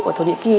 ở thổ nhĩ kỳ